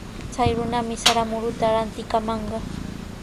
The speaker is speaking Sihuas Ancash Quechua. Chay runami sara muruta rantikamanqa.